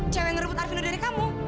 cewek yang rebut arvino dari kamu